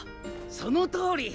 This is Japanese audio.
そのとおり！